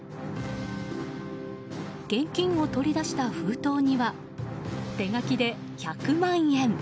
現金を取り出した封筒には手書きで１００万円。